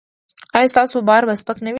ایا ستاسو بار به سپک نه وي؟